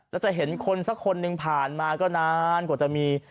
แล้วจะเห็นคนสักคนหนึ่งผ่านมาก็นานกว่าจะมี